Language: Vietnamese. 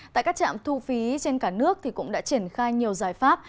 tại các trạm thu phí trên cả nước cũng đã triển khai nhiều giải pháp